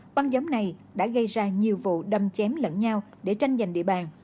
băng gióng này đã gây ra nhiều vụ đâm chém lẫn nhau để tranh giành địa bàn